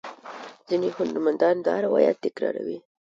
ځینې هنرمندان دا روایت تکراروي.